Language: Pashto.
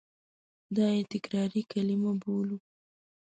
دا یې تکراري کلیمه بولو.